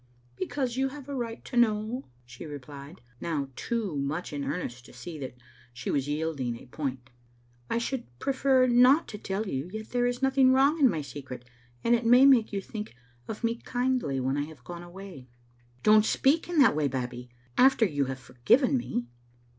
"Because you have a right to know," she replied, now too much in earnest to see that she was yielding a point. " I should prefer not to tell you ; yet there is nothing wrong in my secret, and it may make you think of me kindly when I have gone away. " "Don't speak in that way. Babbie, after you have forgiven me.